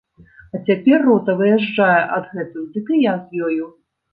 А цяпер рота выязджае адгэтуль, дык і я з ёю.